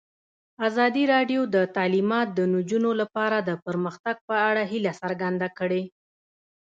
ازادي راډیو د تعلیمات د نجونو لپاره د پرمختګ په اړه هیله څرګنده کړې.